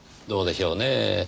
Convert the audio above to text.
どうでしょうねぇ。